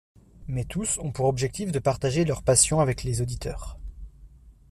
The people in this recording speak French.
Mais tous ont pour objectif de partager leurs passions avec les auditeurs.